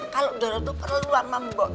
kalau doro tuh perlu uang sama mbok